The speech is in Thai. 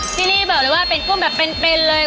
ที่นี่หรือเป็นกุ้มแบบเป็นเลย